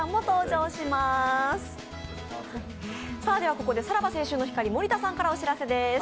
ここでさらば青春の光・森田さんからお知らせです。